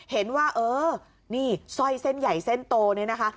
เห็นว่าเออนี่สร้อยเส้นใหญ่เส้นโตเนี่ยนะคะ